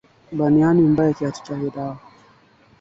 Uthibitisho wa awali wa ugonjwa wa kimeta ni kupumua kwa shida